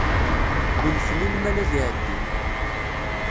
Unfen i lmal ad iεeddi.